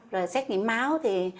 rồi xét nghiệm máu thì